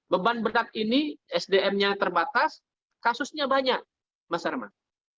beban berat ini sdm nya terbatas kasusnya banyak mas arman